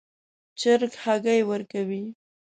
چرګ هګۍ ورکوي